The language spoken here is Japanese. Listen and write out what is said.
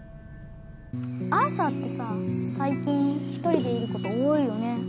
アーサーってささい近ひとりでいること多いよね。